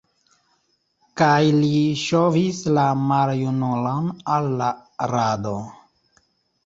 Kaj li ŝovis la maljunulon al la rado.